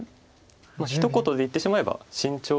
ひと言で言ってしまえば慎重。